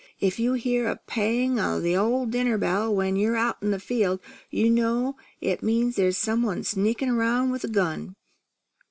If you hear a spang o' the dinner bell when you're out in the field, you'll know it means there's some one sneakin' 'round with a gun."